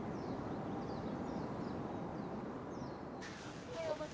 おはようございます。